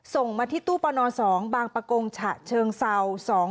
ส่งมาที่ตู้ปะนอน๒บางปะกงฉะเชิงเซา๒๔๑๓๐